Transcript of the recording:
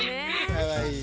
かわいい。